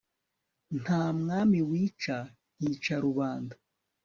nta mwami wica, hica rubanda